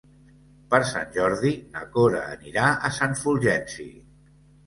Per Sant Jordi na Cora anirà a Sant Fulgenci.